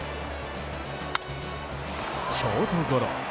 ショートゴロ。